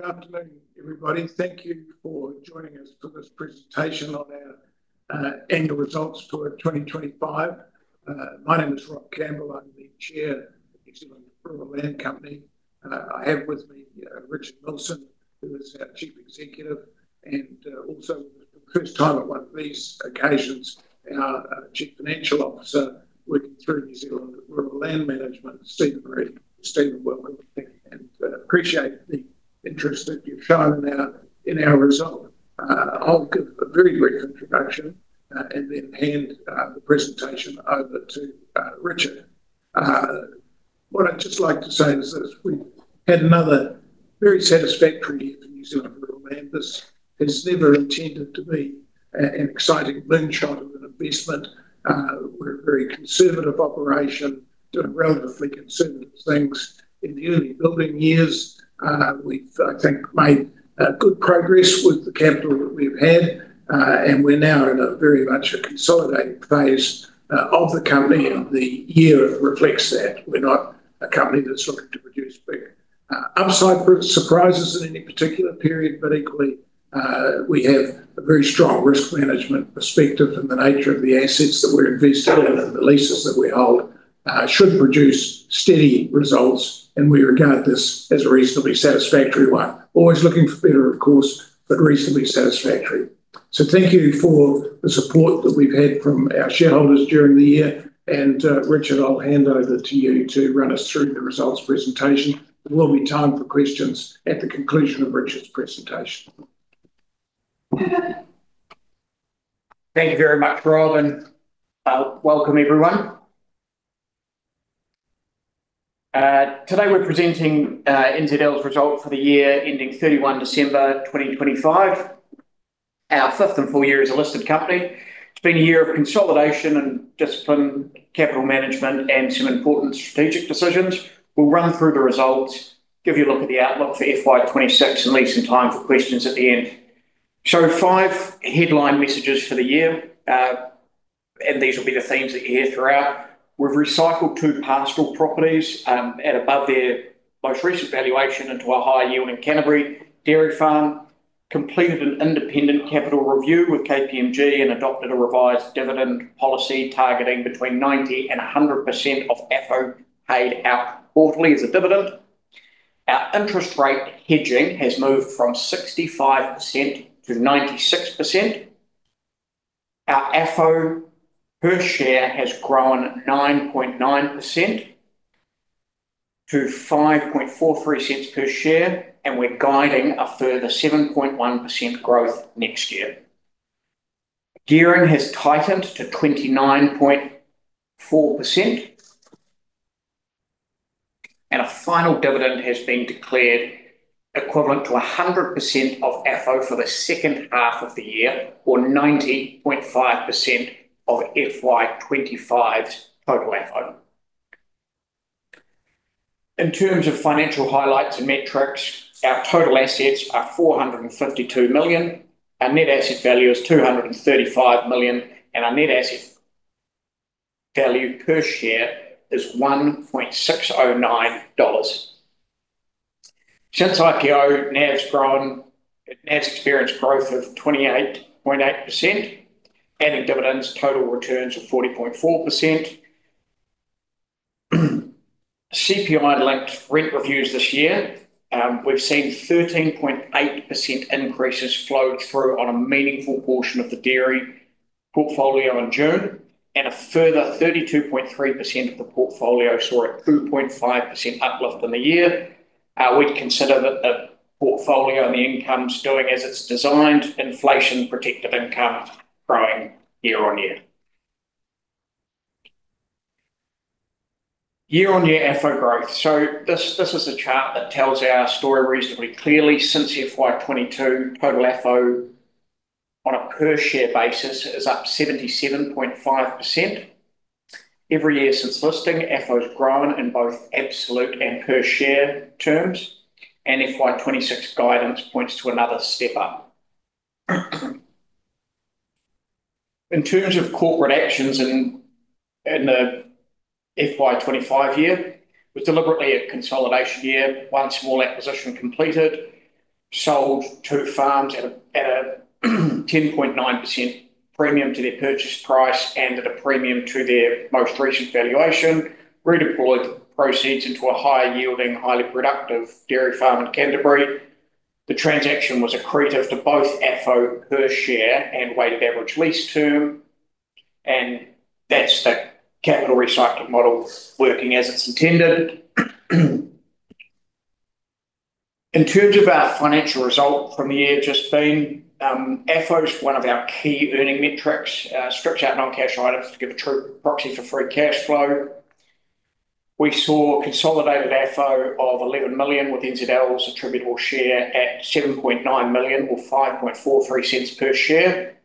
Well, good afternoon, everybody. Thank Thank you for joining us for this presentation on our annual results for 2025. My name is Rob Campbell. I'm the Chair of New Zealand Rural Land Company. I have with me Richard Milsom, who is our Chief Executive, and also for the first time at one of these occasions, our Chief Financial Officer, working through New Zealand Rural Land Management, Stephen Reid. Appreciate the interest that you've shown in our result. I'll give a very brief introduction and then hand the presentation over to Richard. What I'd just like to say is that we've had another very satisfactory year for New Zealand Rural Land. This is never intended to be an exciting moonshot of an investment. We're a very conservative operation, doing relatively conservative things. In the early building years, we've, I think, made good progress with the capital that we've had, and we're now in a very much a consolidating phase of the company, and the year reflects that. We're not a company that's looking to produce big upside surprises in any particular period, but equally, we have a very strong risk management perspective, and the nature of the assets that we're investing in and the leases that we hold, should produce steady results, and we regard this as a reasonably satisfactory one. Always looking for better, of course, but reasonably satisfactory. Thank you for the support that we've had from our shareholders during the year, and Richard Milsom, I'll hand over to you to run us through the results presentation. There will be time for questions at the conclusion of Richard's presentation. Thank you very much, Rob, and welcome everyone. Today we're presenting NZL's result for the year ending 31 December 2025, our fifth and full year as a listed company. It's been a year of consolidation and discipline, capital management, and some important strategic decisions. We'll run through the results, give you a look at the outlook for FY 2026, and leave some time for questions at the end. Five headline messages for the year, and these will be the themes that you hear throughout. We've recycled two pastoral properties at above their most recent valuation into a high-yielding Canterbury dairy farm, completed an independent capital review with KPMG and adopted a revised dividend policy targeting between 90% and 100% of AFFO paid out quarterly as a dividend. Our interest rate hedging has moved from 65% to 96%. Our AFFO per share has grown 9.9% to NZD 0.0543 per share, we're guiding a further 7.1% growth next year. Gearing has tightened to 29.4%. A final dividend has been declared equivalent to 100% of AFFO for the second half of the year, or 90.5% of FY 2025's total AFFO. In terms of financial highlights and metrics, our total assets are 452 million, our net asset value is 235 million, and our net asset value per share is 1.609 dollars. Since IPO, NAV's experienced growth of 28.8%, adding dividends, total returns of 40.4%. CPI-linked rent reviews this year, we've seen 13.8% increases flow through on a meaningful portion of the dairy portfolio in June, and a further 32.3% of the portfolio saw a 2.5% uplift on the year. We'd consider that the portfolio and the income's doing as it's designed, inflation-protected income growing year-on-year. Year-on-year AFFO growth. This is a chart that tells our story reasonably clearly. Since FY 2022, total AFFO on a per share basis is up 77.5%. Every year since listing, AFFO's grown in both absolute and per share terms, and FY 2026 guidance points to another step up. In terms of corporate actions in the FY 2025 year, it was deliberately a consolidation year. One small acquisition completed, sold two farms at a 10.9% premium to their purchase price and at a premium to their most recent valuation. Redeployed the proceeds into a high-yielding, highly productive dairy farm in Canterbury. The transaction was accretive to both AFFO per share and weighted average lease term. That's the capital recycling model working as it's intended. In terms of our financial result from the year just been, AFFO's one of our key earning metrics. Strips out non-cash items to give a true proxy for free cash flow. We saw consolidated AFFO of 11 million, with NZL's attributable share at 7.9 million, or 0.0543 per share.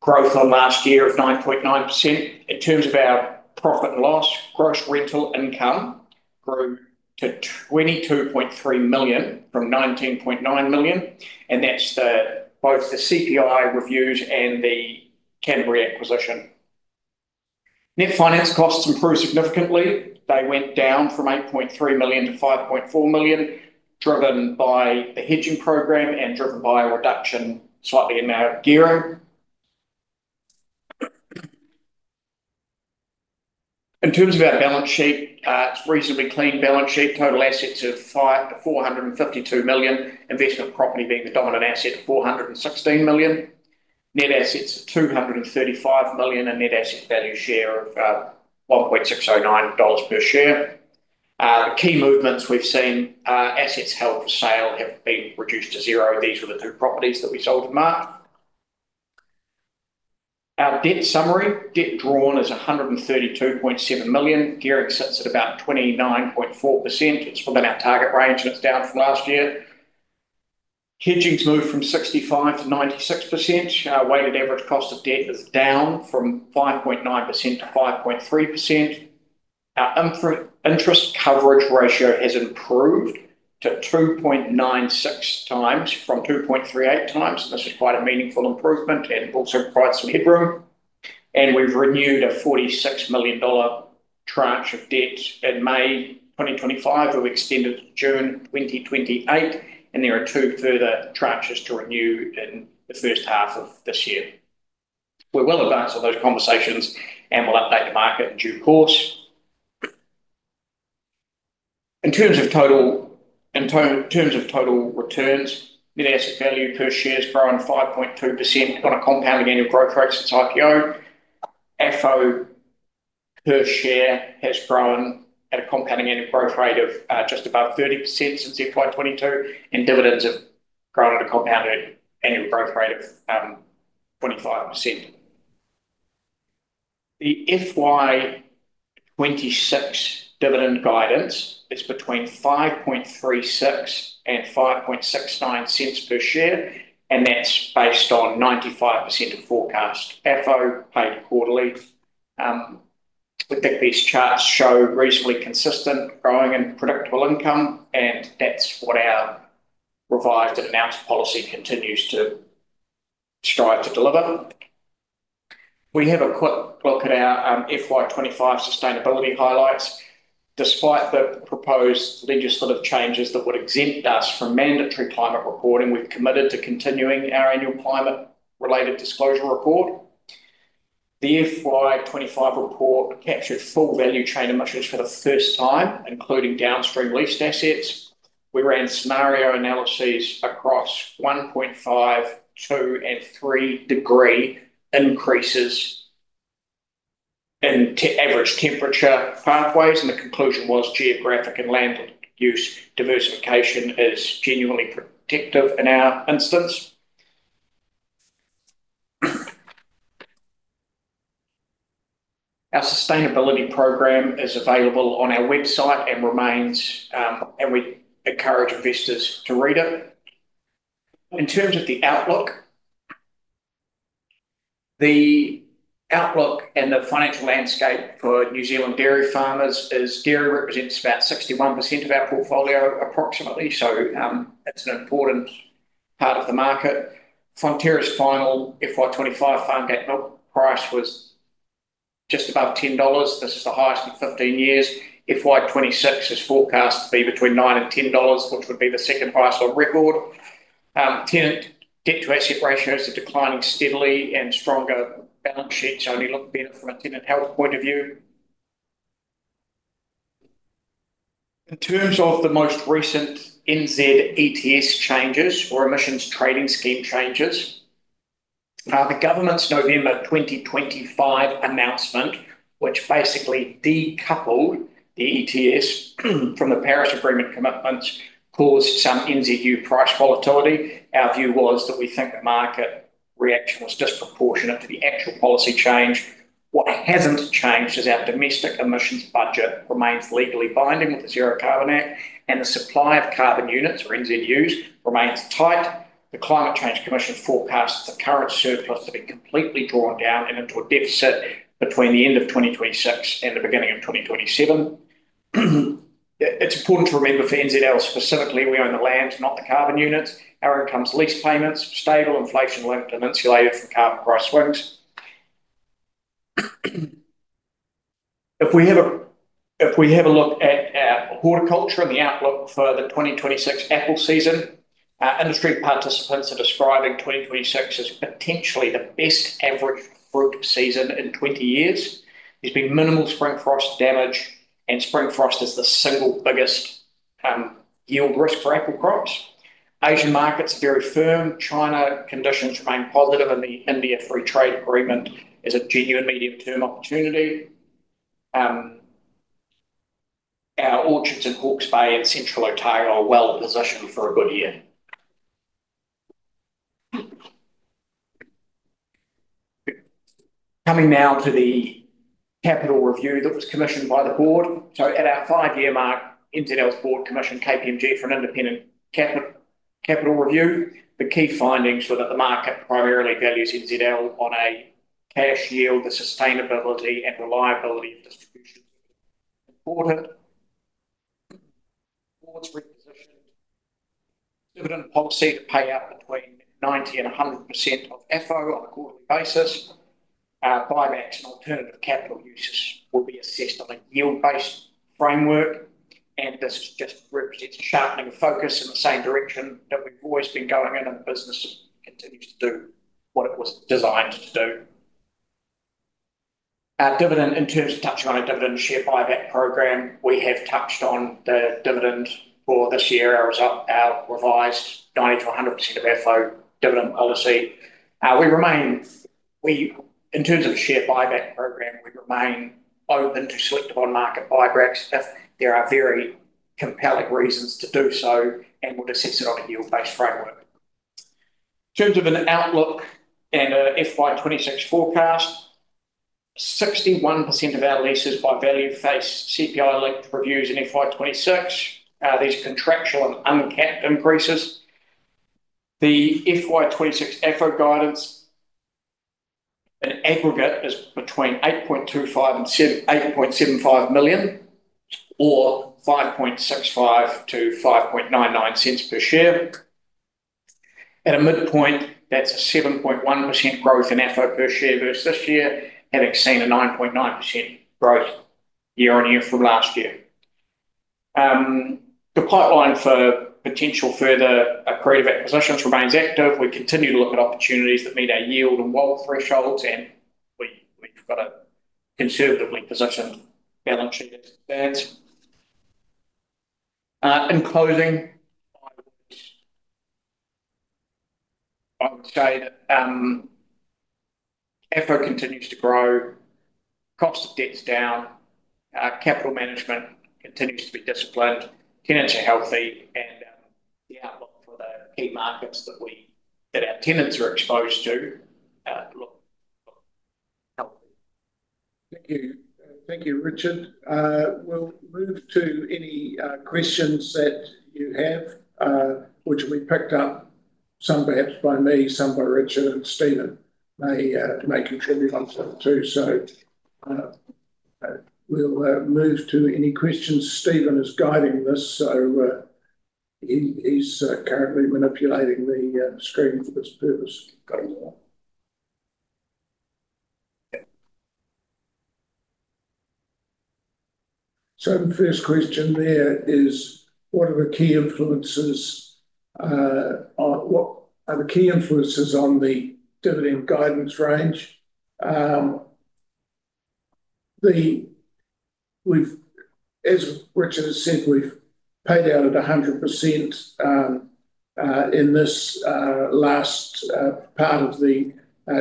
Growth on last year of 9.9%. In terms of our profit and loss, gross rental income grew to 22.3 million from 19.9 million, that's both the CPI reviews and the Canterbury acquisition. Net finance costs improved significantly. They went down from 8.3 million to 5.4 million, driven by the hedging program and driven by a reduction slightly in our gearing. In terms of our balance sheet, it's reasonably clean balance sheet. Total assets of 452 million, investment property being the dominant asset of 416 million. Net assets, 235 million, and net asset value share of 1.609 dollars per share. Key movements we've seen, assets held for sale have been reduced to zero. These were the two properties that we sold in March. Our debt summary. Debt drawn is 132.7 million. Gearing sits at about 29.4%. It's within our target range, and it's down from last year. Hedging's moved from 65% to 96%. Our weighted average cost of debt is down from 5.9% to 5.3%. Our interest coverage ratio has improved to 2.96 times from 2.38 times. This is quite a meaningful improvement and also provides some headroom, and we've renewed a 46 million dollar tranche of debt in May 2025, who extended to June 2028, and there are two further tranches to renew in the first half of this year. We're well advanced on those conversations, and we'll update the market in due course. In terms of total returns, net asset value per share has grown 5.2% on a compounding annual growth rate since IPO. AFFO per share has grown at a compounding annual growth rate of just above 30% since FY 2022, and dividends have grown at a compounded annual growth rate of 25%. The FY 2026 dividend guidance is between 0.0536 and 0.0569 per share, and that's based on 95% of forecast AFFO paid quarterly. We think these charts show reasonably consistent growing and predictable income, and that's what our revised amounts policy continues to strive to deliver. We have a quick look at our FY 2025 sustainability highlights. Despite the proposed legislative changes that would exempt us from mandatory climate reporting, we've committed to continuing our annual climate-related disclosure report. The FY 2025 report captured full value chain emissions for the first time, including downstream leased assets. We ran scenario analyses across 1.5, 2, and 3 degree increases in average temperature pathways, and the conclusion was geographic and land use diversification is genuinely protective in our instance. Our sustainability program is available on our website and remains, and we encourage investors to read it. In terms of the outlook, the outlook and the financial landscape for New Zealand dairy farmers is dairy represents about 61% of our portfolio, approximately. That's an important part of the market. Fonterra's final FY 2025 farm gate milk price was just above 10 dollars. This is the highest in 15 years. FY 2026 is forecast to be between 9 and 10 dollars, which would be the second price on record. Tenant debt to asset ratio is declining steadily, and stronger balance sheets only look better from a tenant health point of view. In terms of the most recent NZETS changes or emissions trading scheme changes, the government's November 2025 announcement, which basically decoupled the ETS from the Paris Agreement commitments, caused some NZU price volatility. Our view was that we think the market reaction was disproportionate to the actual policy change. What hasn't changed is our domestic emissions budget remains legally binding with the Zero Carbon Act, and the supply of carbon units, or NZUs, remains tight. The Climate Change Commission forecasts the current surplus to be completely drawn down and into a deficit between the end of 2026 and the beginning of 2027. It's important to remember, for NZL specifically, we own the land, not the carbon units. Our income's lease payments, stable, inflation-linked, and insulated from carbon price swings. If we have a look at horticulture and the outlook for the 2026 apple season, industry participants are describing 2026 as potentially the best average fruit season in 20 years. There's been minimal spring frost damage, and spring frost is the single biggest yield risk for apple crops. Asian markets are very firm. China conditions remain positive, and the India Free Trade Agreement is a genuine medium-term opportunity. Our orchards in Hawke's Bay and Central Otago are well positioned for a good year. Coming now to the capital review that was commissioned by the board. At our five-year mark, NZL's board commissioned KPMG for an independent capital review. The key findings were that the market primarily values NZL on a cash yield, the sustainability and reliability of distributions, board's repositioned dividend policy to pay out between 90% and 100% of AFFO on a quarterly basis. Buybacks and alternative capital uses will be assessed on a yield-based framework. This just represents a sharpening focus in the same direction that we've always been going in. The business continues to do what it was designed to do. Our dividend, in terms of touching on our dividend share buyback program, we have touched on the dividend for this year as our revised 90% to 100% of AFFO dividend policy. We remain open to selective on-market buybacks if there are very compelling reasons to do so. We'll assess it on a yield-based framework. In terms of an outlook and a FY 2026 forecast, 61% of our leases by value face CPI-linked reviews in FY 2026. These are contractual and uncapped increases. The FY 2026 AFFO guidance in aggregate is between 8.25 million and 8.75 million or 0.0565-0.0599 per share. At a midpoint, that's a 7.1% growth in AFFO per share versus this year, having seen a 9.9% growth year-on-year from last year. The pipeline for potential further accretive acquisitions remains active. We continue to look at opportunities that meet our yield and WACC thresholds. We've got a conservatively positioned balance sheet that. In closing, I would say that AFFO continues to grow, cost of debt's down, our capital management continues to be disciplined, tenants are healthy, and the outlook for the key markets that our tenants are exposed to, look healthy. Thank you. Thank you, Richard. We'll move to any questions that you have, which will be picked up some perhaps by me, some by Richard, and Stephen may contribute on some too. We'll move to any questions. Stephen is guiding this, so he's currently manipulating the screen for this purpose. Got it. The first question there is: What are the key influences on the dividend guidance range? As Richard Milsom has said, we've paid out at 100% in this last part of the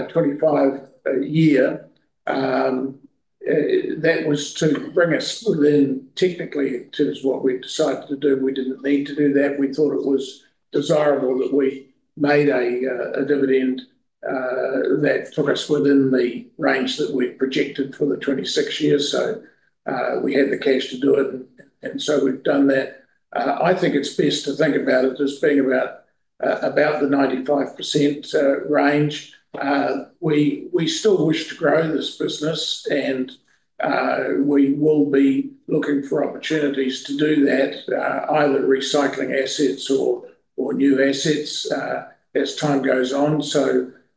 25 year. That was to bring us within technically in terms of what we'd decided to do. We didn't need to do that. We thought it was desirable that we made a dividend that took us within the range that we'd projected for the 26 years. We had the cash to do it, we've done that. I think it's best to think about it as being about the 95% range. We, we still wish to grow this business, and we will be looking for opportunities to do that, either recycling assets or new assets, as time goes on.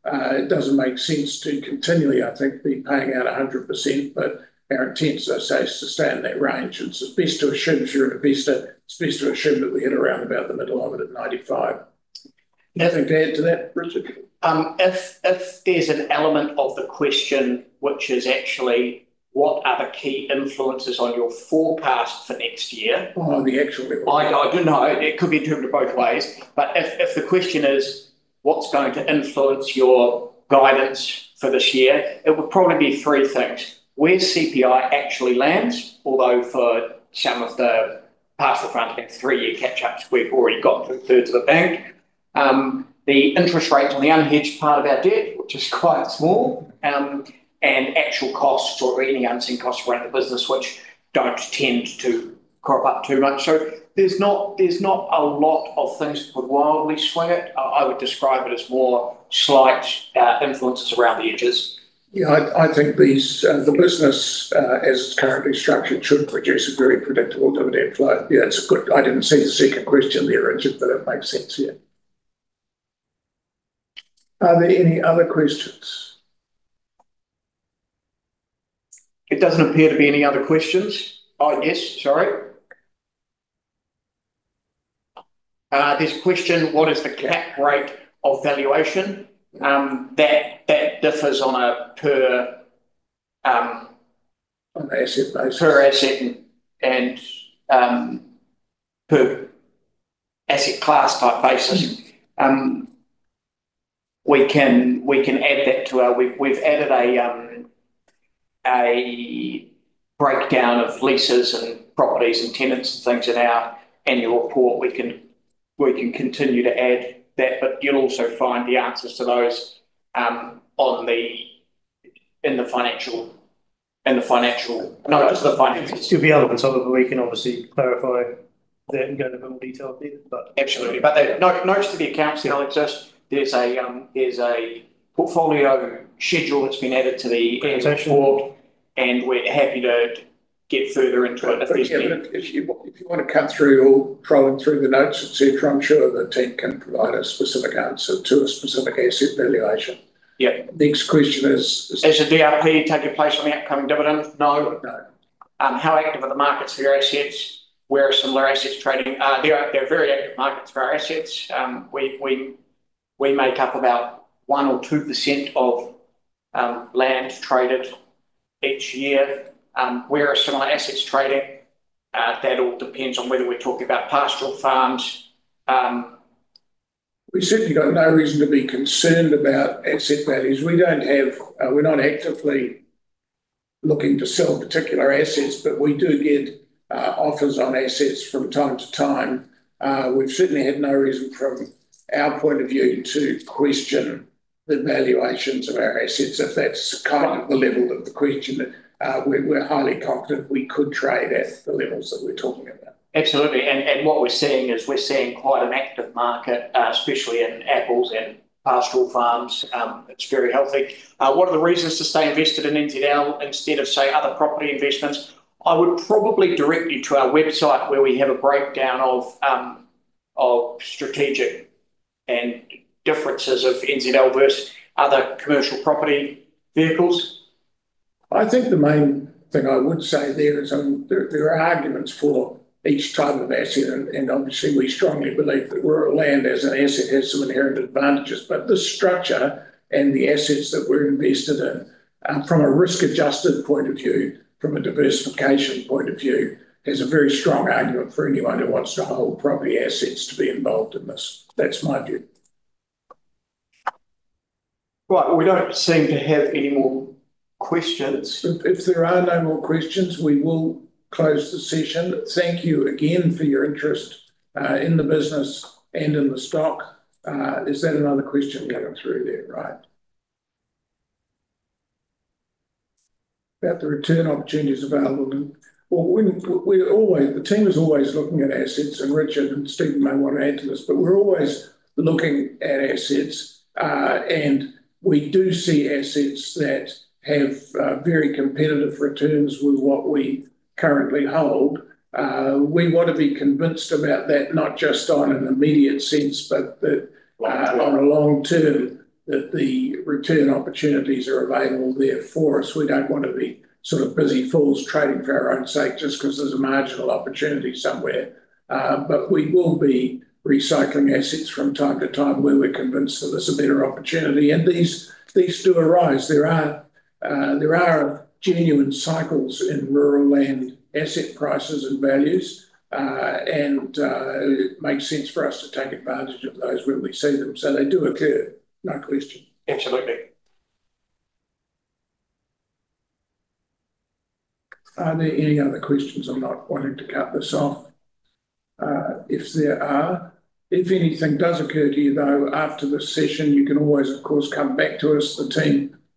It doesn't make sense to continually, I think, be paying out 100%, but our intent, as I say, is to stay in that range. It's best to assume if you're in a best, it's best to assume that we hit around about the middle of it at 95. Nothing to add to that, Richard Milsom? If there's an element of the question, which is actually: What are the key influences on your forecast for next year? On the. I do know it could be interpreted both ways, but if the question is: What's going to influence your guidance for this year? It would probably be three things. Where CPI actually lands, although for some of the parcel front and three-year catch-ups, we've already got two-thirds of the bank. The interest rates on the unhedged part of our debt, which is quite small, and actual costs or any unseen costs around the business, which don't tend to crop up too much. There's not a lot of things that would wildly swing it. I would describe it as more slight influences around the edges. Yeah, I think these the business as it's currently structured, should produce a very predictable dividend flow. Yeah, it's a good. I didn't see the second question there, Richard, but it makes sense, yeah. Are there any other questions? It doesn't appear to be any other questions. Oh, yes, sorry. There's a question: What is the cap rate of valuation? That differs on a per... On an asset basis. Per asset and, per asset class type basis we can add that to our... We've added a breakdown of leases and properties and tenants and things in our annual report. We can continue to add that, but you'll also find the answers to those in the financial. It's going to be elements of it. We can obviously clarify that and go into more detail then. Absolutely. The notes to the accounts now exist. There's a portfolio schedule that's been added to the. Presentation We're happy to get further into it if there's. If you want to cut through or troll through the notes, et cetera, I'm sure the team can provide a specific answer to a specific asset valuation. Yeah. Next question is. Does the DRP take your place on the upcoming dividend? No. How active are the markets for your assets? Where are similar assets trading? There are very active markets for our assets. We make up about 1% or 2% of land traded each year. Where are similar assets trading? That all depends on whether we're talking about pastoral farms. We've certainly got no reason to be concerned about asset values. We're not actively looking to sell particular assets, but we do get offers on assets from time to time. We've certainly had no reason from our point of view to question the valuations of our assets, if that's kind of the level of the question. We're highly confident we could trade at the levels that we're talking about. Absolutely. What we're seeing is we're seeing quite an active market, especially in apples and pastoral farms. It's very healthy. What are the reasons to stay invested in NZL instead of, say, other property investments? I would probably direct you to our website, where we have a breakdown of strategic and differences of NZL versus other commercial property vehicles. I think the main thing I would say there is, there are arguments for each type of asset, and obviously, we strongly believe that rural land as an asset has some inherent advantages. The structure and the assets that we're invested in, from a risk-adjusted point of view, from a diversification point of view, there's a very strong argument for anyone who wants to hold property assets to be involved in this. That's my view. Right. We don't seem to have any more questions. If there are no more questions, we will close the session. Thank you again for your interest in the business and in the stock. Is that another question coming through there, right? About the return opportunities available. Well, the team is always looking at assets, and Richard and Stephen may want to add to this, but we're always looking at assets. We do see assets that have very competitive returns with what we currently hold. We want to be convinced about that, not just on an immediate sense, but that. Long term. on a long term, that the return opportunities are available there for us. We don't want to be sort of busy fools trading for our own sake just 'cause there's a marginal opportunity somewhere. We will be recycling assets from time to time where we're convinced that there's a better opportunity, and these do arise. There are genuine cycles in rural land asset prices and values. It makes sense for us to take advantage of those when we see them. They do occur, no question. Absolutely. Are there any other questions? I'm not wanting to cut this off. If there are, if anything does occur to you, though, after this session, you can always, of course, come back to us, the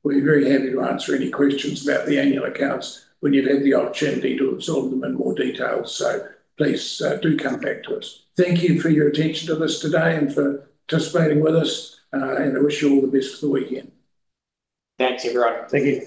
team. We're very happy to answer any questions about the annual accounts when you've had the opportunity to absorb them in more detail. Please do come back to us. Thank you for your attention to this today and for participating with us. I wish you all the best for the weekend. Thanks, everyone. Thank you.